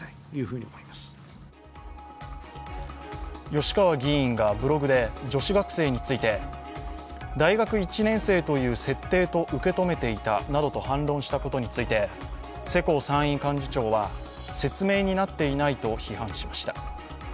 吉川氏がブログで女子学生について、大学１年生という設定と受け止めていたなどと反論したことについて、世耕参院幹事長は、説明になっていないと批判しました。